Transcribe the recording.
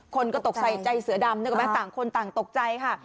คนก็ตกใจเสือดำแต่ต่างคนต่างตกใจค่ะ